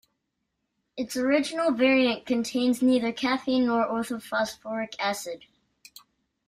Its original variant contains neither caffeine nor orthophosphoric acid.